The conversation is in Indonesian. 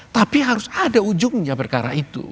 tapi harus ada ujungnya perkara itu